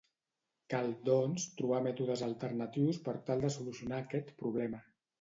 Cal, doncs, trobar mètodes alternatius per tal de solucionar aquest problema.